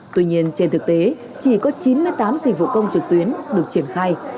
tuy nhiên trên thực tế chỉ có chín mươi tám dịch vụ công trực tuyến được triển khai